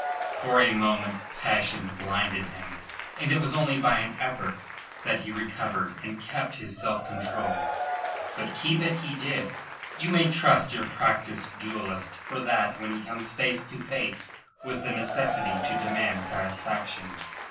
For a moment passion blinded him, and it was only by an effort that he recovered and kept his self control. But keep it he did. You may trust your practised duellist for that when he comes face to face with the necessity to demand satisfaction.